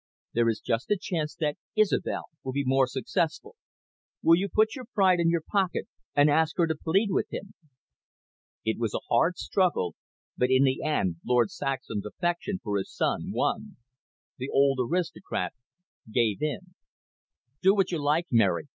There is just a chance that Isobel will be more successful. Will you put your pride in your pocket and ask her to plead with him?" It was a hard struggle, but in the end Lord Saxham's affection for his son won. The old aristocrat gave in. "Do what you like, Mary.